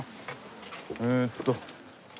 えーっと。